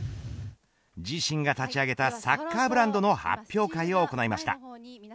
自身が立ち上げたサッカーブランドの発表会を行いました。